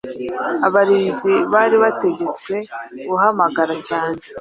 abarinzi bari bategetswe guhamagarana cyane